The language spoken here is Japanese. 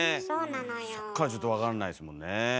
そっからちょっと分からないですもんねえ。